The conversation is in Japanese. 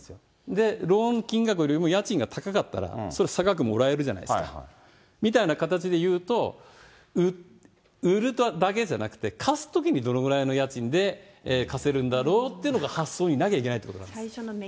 で、ローン金額よりも家賃が高かったら、それ、差額もらえるじゃないですか、みたいな形でいうと、売るだけじゃなくて、貸すときにどれぐらいの家賃で貸せるんだろうっていうのが発想になきゃいけないということなんです。